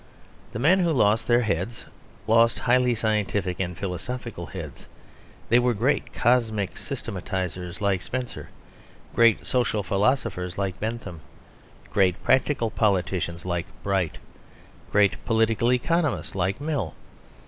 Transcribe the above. The men who lost their heads lost highly scientific and philosophical heads; they were great cosmic systematisers like Spencer, great social philosophers like Bentham, great practical politicians like Bright, great political economists like Mill.